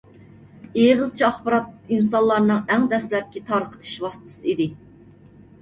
ئېغىزچە ئاخبارات ئىنسانلارنىڭ ئەڭ دەسلەپكى تارقىتىش ۋاسىتىسى ئىدى.